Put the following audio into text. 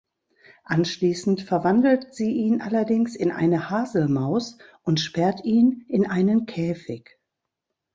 Anschließend verwandelt sie ihn allerdings in eine Haselmaus und sperrt ihn in einen Käfig.